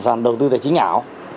sàn đầu tư tài chính ảo